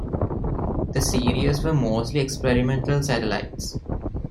The series were mostly experimental satellites.